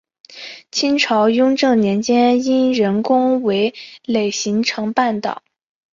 清朝雍正年间因人工围垦形成半岛。